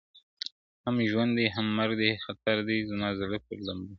هم ژوند دی، هم مرگ دی خطر دی، زما زړه پر لمبو,